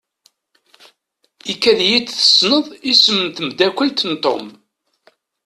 Ikad-iyi-d tessneḍ isem n temdakelt n Tom.